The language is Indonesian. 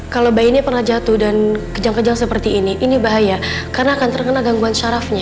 kalau bayinya pernah jatuh dan kejang kejang seperti ini ini bahaya karena akan terkena gangguan syarafnya